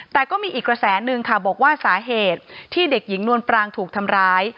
แต่ก็มีอีกกระแสนึงค่ะบอกว่าสาเหตุที่เด็กหญิงนวลปรางถูกทำร้าย